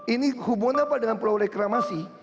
ini hubungan apa dengan pulau reklamasi